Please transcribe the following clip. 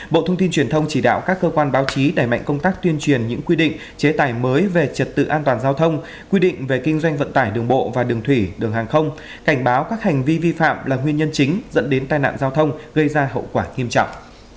bộ thông tin truyền thông chỉ đạo các cơ quan báo chí đẩy mạnh công tác tuyên truyền những quy định chế tài mới về trật tự an toàn giao thông quy định về kinh doanh vận tải đường bộ và đường thủy đường hàng không cảnh báo các hành vi vi phạm là nguyên nhân chính dẫn đến tai nạn giao thông gây ra hậu quả nghiêm trọng